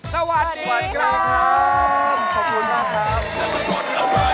สวัสดีครับ